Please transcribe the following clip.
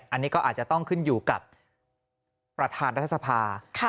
อันนี้ก็อาจจะต้องขึ้นอยู่กับประธานรัฐสภา